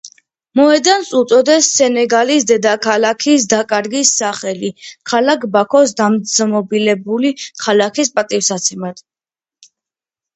მოედანს უწოდეს სენეგალის დედაქალაქის დაკარის სახელი ქალაქ ბაქოს დაძმობილებული ქალაქის პატივსაცემად.